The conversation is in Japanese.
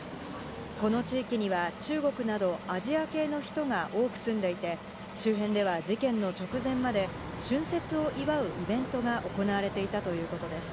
この地域には中国などアジア系の人が多く住んでいて、周辺では事件の直前まで、春節を祝うイベントが行われていたということです。